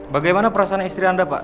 bagaimana perasaan istri anda pak